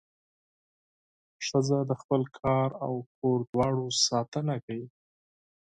ښځه د خپل کار او کور دواړو ساتنه کوي.